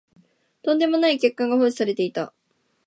とんでもない欠陥が放置されてた